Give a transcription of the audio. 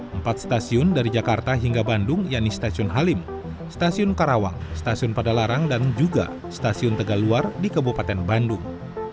empat stasiun dari jakarta hingga bandung yakni stasiun halim stasiun karawang stasiun padalarang dan juga stasiun tegaluar di kabupaten bandung